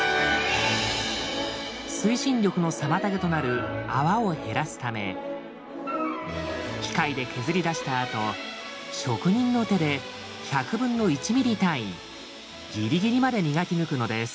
推進力の妨げとなる泡を減らすため機械で削り出したあと職人の手で１００分の１ｍｍ単位ギリギリまで磨き抜くのです。